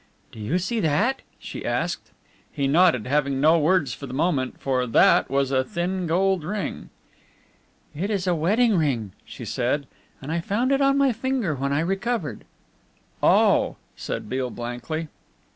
"Do you see that?" she asked. He nodded, having no words for the moment, for "that" was a thin gold ring. "It is a wedding ring," she said, "and I found it on my finger when I recovered." "Oh!" said Beale blankly.